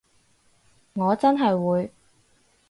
我真係會